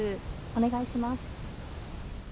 お願いします。